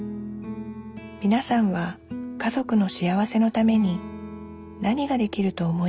みなさんは家族の幸せのために何ができると思いますか？